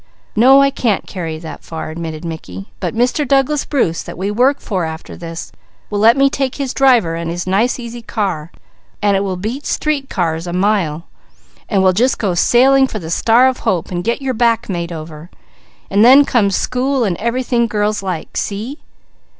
"No, I can't carry you that far," admitted Mickey. "But Mr. Douglas Bruce, that we work for after this, will let me take his driver and his nice, easy car, and it will beat streetcars a mile, and we'll just go sailing for the 'Star of Hope' and get your back made over, and then comes school and everything girls like. See?"